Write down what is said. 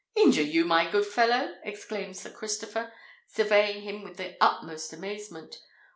"Injure you, my good fellow!" exclaimed Sir Christopher, surveying him with the utmost amazement.